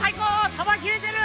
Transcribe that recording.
球切れてる！